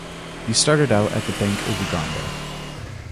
He started out at the Bank of Uganda.